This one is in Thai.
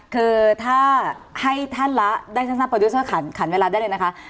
คือถ้าให้ท่านละได้สั้นโปรดิวเซอร์ขันขันเวลาได้เลยนะคะ